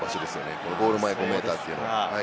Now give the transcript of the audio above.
このゴール前５ｍというのは。